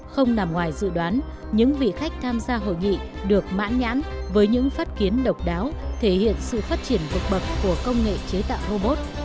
không nằm ngoài dự đoán những vị khách tham gia hội nghị được mãn nhãn với những phát kiến độc đáo thể hiện sự phát triển vực bậc của công nghệ chế tạo robot